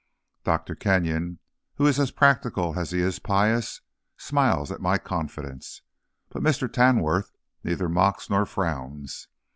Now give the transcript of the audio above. Dr. Kenyon, who is as practical as he is pious, smiles at my confidence; but Mr. Tamworth neither mocks nor frowns.